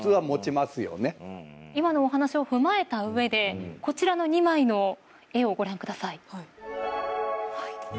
今のお話を踏まえた上でこちらの２枚の絵をご覧ください。